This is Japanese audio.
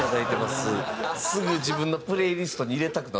すぐ自分のプレーリストに入れたくなってるもん。